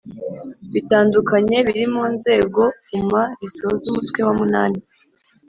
bitandukanye biri mu nzegouma risoza umutwe wa munani